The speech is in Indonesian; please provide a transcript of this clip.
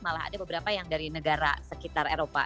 malah ada beberapa yang dari negara sekitar eropa